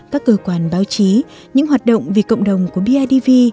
các cơ quan báo chí những hoạt động vì cộng đồng của bidv